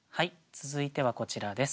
続いてはこちらです。